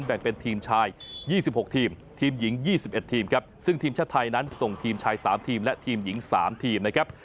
แบ่งเป็นทีมชาย๒๖ทีมทีมหญิง๒๑ทีมครับซึ่งทีมชาติไทยนั้นส่งทีมชาย๓ทีมและทีมหญิง๓ทีมนะครับ